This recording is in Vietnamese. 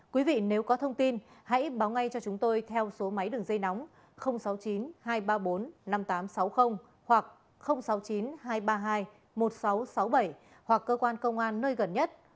quý vị nếu có thông tin hãy báo ngay cho chúng tôi theo số máy đường dây nóng sáu mươi chín hai trăm ba mươi bốn năm nghìn tám trăm sáu mươi hoặc sáu mươi chín hai trăm ba mươi hai một nghìn sáu trăm sáu mươi bảy hoặc cơ quan công an nơi gần nhất